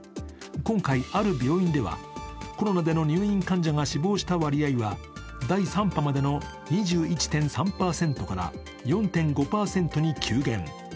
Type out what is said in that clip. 今回、ある病院ではコロナでの入院患者が死亡した割合は第３波までの２１．３％から４．５％に急減。